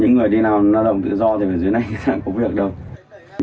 những người đi nào nó động tự do thì ở dưới này thì sẽ có việc đâu